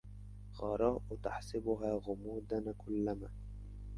غراء تحسبها غمودا كلما